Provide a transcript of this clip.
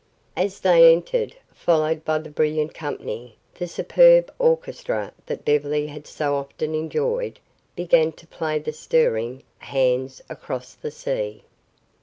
As they entered, followed by the brilliant company, the superb orchestra that Beverly had so often enjoyed, began to play the stirring "Hands Across the Sea."